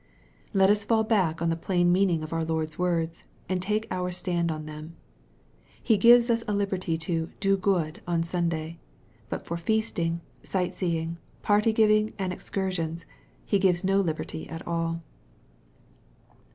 Let us fall back on the plain meaning of our Lord's words, and take our stand on them. He gives us a liberty to " do good" on Sunday, but for feasting, sight seeing, party giving, and excursions, He gives no liberty at all.